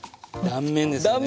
断面ですね。